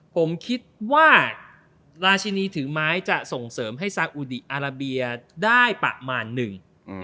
ผมคิดว่าราชินีถือไม้จะส่งเสริมให้ซาอุดีอาราเบียได้ประมาณหนึ่ง